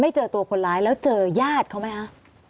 เจอตัวคนร้ายแล้วเจอญาติเขาไหมคะ